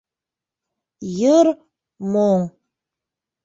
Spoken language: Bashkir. Йыр, моң.